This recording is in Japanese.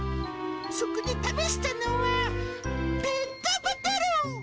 そこで試したのは、ペットボトル。